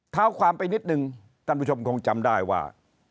เท้าความไปนิดนึงท่านผู้ชมคงจำได้ว่า